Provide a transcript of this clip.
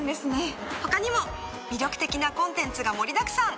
他にも魅力的なコンテンツが盛りだくさん！